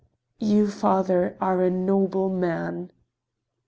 "You, father, are a noble man!"